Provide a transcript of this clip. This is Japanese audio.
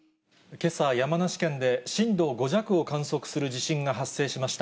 けさ、山梨県で震度５弱を観測する地震が発生しました。